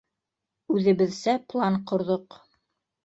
Үҙебеҙсә план ҡорҙоҡ.